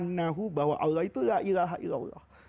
anahu bahwa allah itu la ilaha illallah